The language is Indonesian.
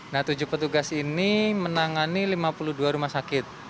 nah tujuh petugas ini menangani lima puluh dua rumah sakit